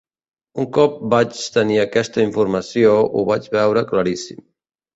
Un cop vaig tenir aquesta informació ho vaig veure claríssim.